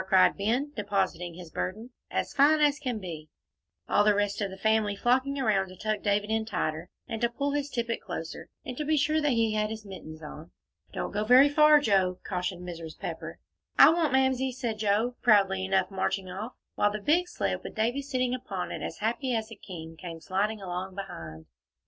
cried Ben, depositing his burden, "as fine as can be," all the rest of the family flocking around to tuck David in tighter, and to pull his tippet closer, and to be sure that he had his mittens on. "Don't go very far, Joe," cautioned Mrs. Pepper. "I won't, Mamsie," said Joe, proudly enough, marching off, while the big sled, with Davie sitting upon it as happy as a king, came sliding along behind.